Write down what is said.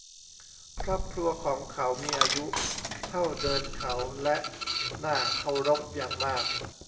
ครอบครัวของเขามีอายุเท่าเนินเขา และน่าเคารพอย่างมาก